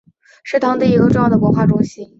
是当地的一个重要的文化中心。